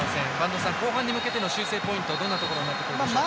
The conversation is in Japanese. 播戸さん、後半に向けての修正ポイント、どんなところになってくるでしょうか。